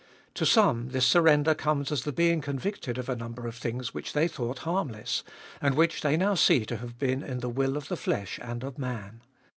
To some this surrender comes as the being convicted of a number of things which they thought harmless, and which they now see to have been in the will of the flesh and of man.